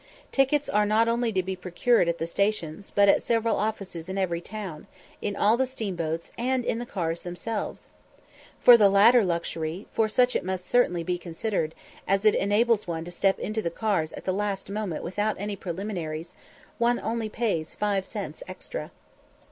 Tickets are not only to be procured at the stations, but at several offices in every town, in all the steamboats, and in the cars themselves. For the latter luxury, for such it must certainly be considered, as it enables one to step into the cars at the last moment without any preliminaries, one only pays five cents extra.